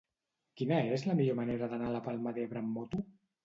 Quina és la millor manera d'anar a la Palma d'Ebre amb moto?